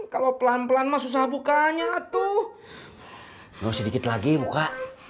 kalau pelan pelan mah susah bukanya tuh sedikit lagi muka